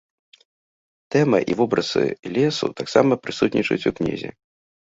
Тэма і вобразы лесу таксама прысутнічаюць у кнізе.